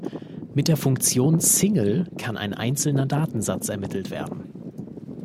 Mit der Funktion "Single" kann ein einzelner Datensatz ermittelt werden.